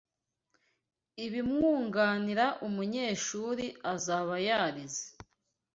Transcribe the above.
ibimwunganira umunyeshuri azaba yarize